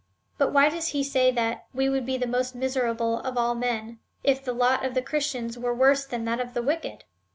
But why does he say that we would he the most miserable of all men, as if the lot of the Christian were worse than that of the wicked